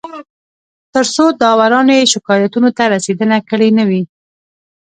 تر څو داورانو یې شکایتونو ته رسېدنه کړې نه وي